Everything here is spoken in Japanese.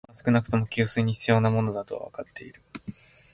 今は少なくとも、給水に必要なものだとはわかっている